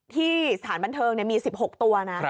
ที่สถานบันเทิงเนี่ยมี๑๖ตัวนะ